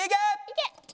いけ！